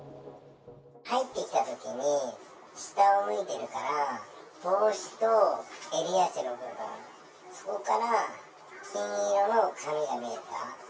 入ってきたときに、下を向いてるから、帽子と襟足の部分、そこから金色の髪が見えた。